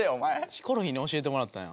ヒコロヒーに教えてもらったんや。